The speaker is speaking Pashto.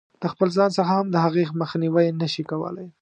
د خپل ځان څخه هم د هغې مخنیوی نه شي کولای.